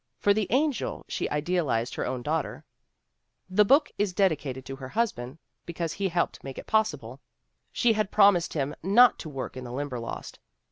For the Angel she idealized her own daughter. The book is dedicated to her husband, because he helped make it possible. She had promised him not to work in the Limberlost.